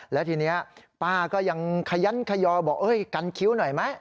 แล้วทีนี้ป้าก็ยังขยันขยอบอกกันคิ้วหน่อยไหม